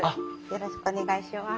よろしくお願いします。